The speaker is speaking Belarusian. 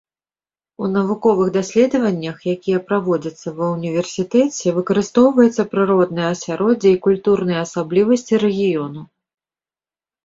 У навуковых даследаваннях, якія праводзяцца ва ўніверсітэце, выкарыстоўваецца прыроднае асяроддзе і культурныя асаблівасці рэгіёну.